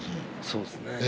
そうですね。